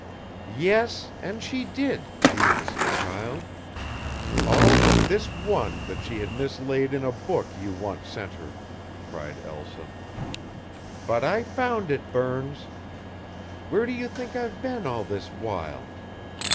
"Yes, and she did, the innocent child all but this one that she had mislaid in a book you once sent her," cried Elsa. "But I found it, Burns. Where do you think I've been all this while?